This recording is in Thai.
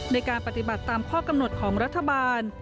ในการปฏิบัติตามข้อกำหนดของรัฐบาล